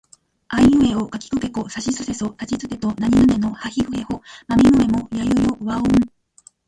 あいうえおかきくけこさしすせそたちつてとなにぬねのはひふへほまみむめもやゆよわをん